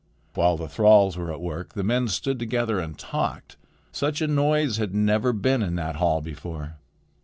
While the thralls were at work, the men stood together and talked. Such a noise had never been in that hall before.